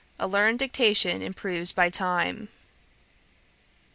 A learned diction improves by time.'